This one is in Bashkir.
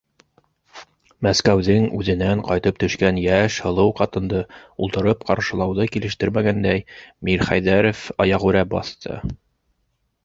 Мәскәүҙең үҙенән ҡайтып төшкән йәш, һылыу ҡатынды ултырып ҡаршылауҙы килештермәгәндәй, Мирхәйҙәров аяғүрә баҫты.